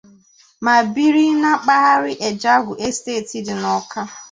ma biri na mpaghara 'Ejeagwu Estate' dị n'Awka.